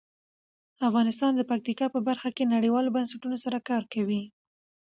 افغانستان د پکتیکا په برخه کې نړیوالو بنسټونو سره کار کوي.